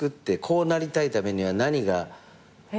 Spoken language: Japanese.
こうなりたいためには何が必要で。